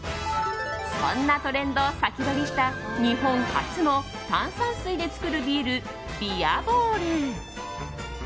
そんなトレンドを先取りした日本初の炭酸水で作るビールビアボール。